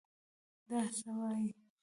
دا څه وايې.